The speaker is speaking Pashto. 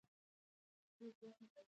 د واده په شپه نکریزې په لاسونو کیښودل کیږي.